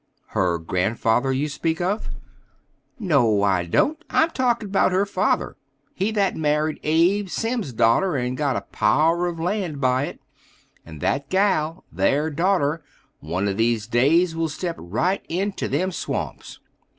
"Her grandfather you speak of?" "No, I don't: I'm talking 'bout her father, he that married Abe Simm's da'ter and got a power of land by it; and that gal, their da'ter, one of these days will step right into them swamps."